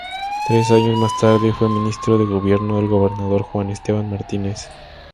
Tres años más tarde fue Ministro de Gobierno del gobernador Juan Esteban Martínez.